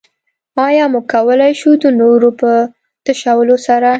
ايا موږ کولای شو د نورو په تشولو سره.